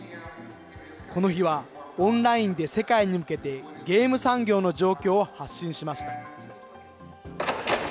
この日はオンラインで世界に向けて、ゲーム産業の状況を発信しました。